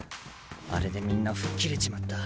あれでみんな吹っ切れちまった。